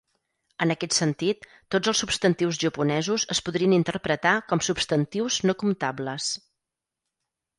En aquest sentit, tots els substantius japonesos es podrien interpretar com substantius no comptables.